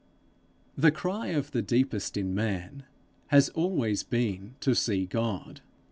The cry of the deepest in man has always been, to see God.